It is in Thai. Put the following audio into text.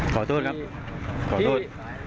ขอโทษครับขอโทษ